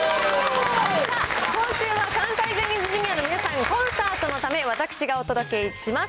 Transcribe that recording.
今週は関西ジャニーズＪｒ．の皆さんがコンサートのため、私がお届けします。